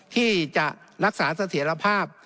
ที่จะรักษาเสถียรภาพ